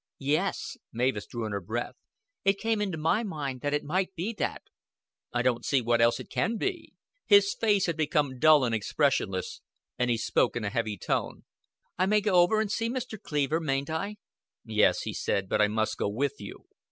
"Yes." Mavis drew in her breath. "It came into my mind that it might be that." "I don't see what else it can be." His face had become dull and expressionless, and he spoke in a heavy tone. "I may go over and see Mr. Cleaver, mayn't I?" "Yes," he said. "But I must go with you."